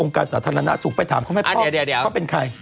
องค์การสาธารณะสูงไปถามเขาเป็นใคร